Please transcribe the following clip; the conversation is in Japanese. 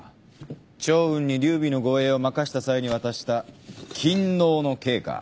趙雲に劉備の護衛を任した際に渡した「錦嚢の計」か。